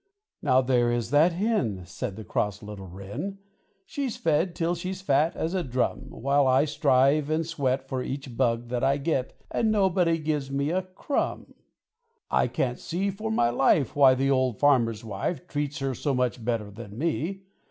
"Now, there is that Hen," Said this cross little Wren, "She's fed till she's fat as a drum; While I strive and sweat For each bug that I get, And nobody gives me a crumb. "I can't see for my life Why the old farmer's wife. Treats her so much better than me.